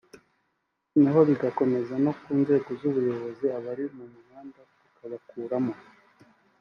noneho bigakomeza no ku nzego z’ubuyobozi abari mu muhanda tukabakuramo